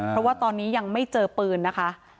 เพราะว่าตอนนี้ยังไม่เจอปืนนะคะ